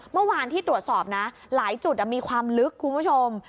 เมื่อวานที่ตรวจสอบนะหลายจุดมีความลึกคุณผู้ชม